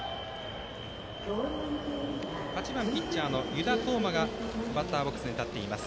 ８番ピッチャーの湯田統真がバッターボックスに立っています。